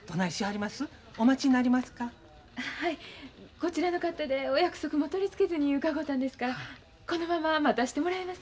こちらの勝手でお約束も取り付けずに伺うたんですからこのまま待たしてもらいます。